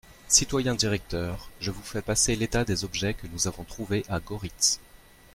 Citoyens directeurs, Je vous fais passer l'état des objets que nous avons trouvés à Goritz.